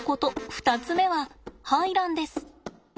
２つ目は排卵です。